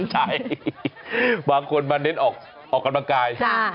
ใช่บางคนมาเน้นออกกำลังกาย